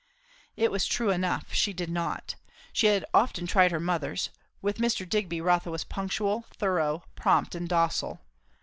It was true enough; she did not. She had often tried her mother's; with Mr. Digby Rotha was punctual, thorough, prompt and docile.